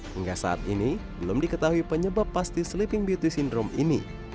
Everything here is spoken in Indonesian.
hingga saat ini belum diketahui penyebab pasti sleeping beauty syndrome ini